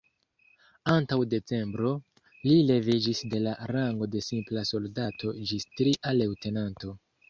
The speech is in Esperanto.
Antaŭ decembro, li leviĝis de la rango de simpla soldato ĝis tria leŭtenanto.